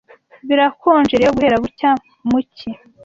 birakonje rero guhera bucya mu cyi